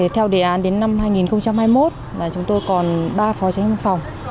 theo đề án đến năm hai nghìn hai mươi một chúng tôi còn ba phó tránh văn phòng